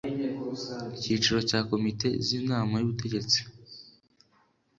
icyiciro cya komite z inama y ubutegetsi